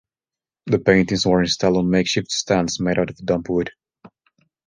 The paintings were installed on makeshift stands made out of dump wood.